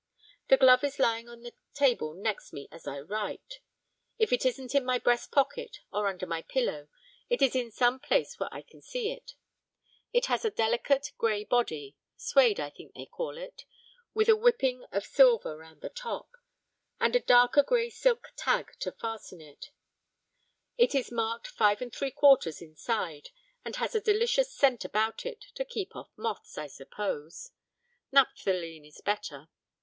The glove is lying on the table next me as I write. If it isn't in my breast pocket or under my pillow, it is in some place where I can see it. It has a delicate grey body (suède, I think they call it) with a whipping of silver round the top, and a darker grey silk tag to fasten it. It is marked 5 3/4 inside, and has a delicious scent about it, to keep off moths, I suppose; naphthaline is better.